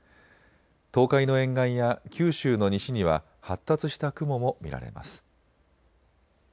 東海の沿岸や九州の西には発達した雲も見られます。